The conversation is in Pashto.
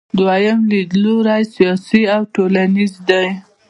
دویم لیدلوری سیاسي او ټولنیز دی.